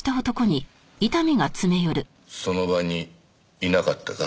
その場にいなかったか？